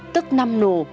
tức nam nụ